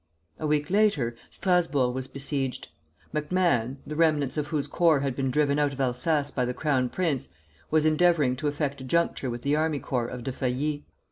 A week later, Strasburg was besieged. MacMahon, the remnants of whose corps had been driven out of Alsace by the Crown Prince, was endeavoring to effect a juncture with the army corps of De Failly.